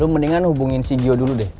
lo mendingan hubungin si gio dulu deh